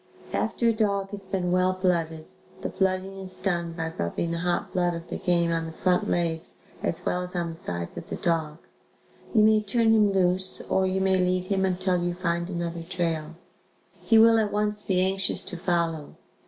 After a dog has been well blooded (the blooding is done by rubbing the hot blood of the game on the front legs, as well as on the sides of the dog), you may turn him loose or you may lead him until you find another trail. He will at once be anxious to follow.